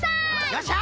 よっしゃ！